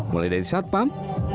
mulai dari satpam